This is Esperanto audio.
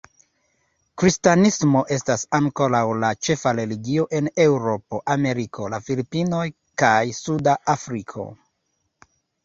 Kristanismo estas ankoraŭ la ĉefa religio en Eŭropo, Ameriko, la Filipinoj kaj Suda Afriko.